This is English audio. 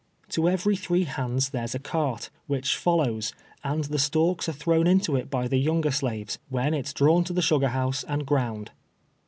To every three hands there is a cart, which follows, and the stalks are thrown into it by the younger slaves, when it is drawn to the su gar house and ground.